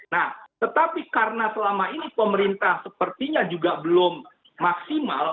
nah tetapi karena selama ini pemerintah sepertinya juga belum maksimal